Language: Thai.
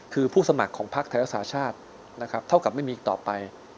คือผู้สมัครของพรรคไทยและสาชาธิ์เท่ากับไม่มีอีกต่อไป